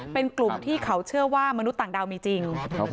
เป็นกลุ่มที่เขาเชื่อว่ามนุษย์ต่างดาวมีจริง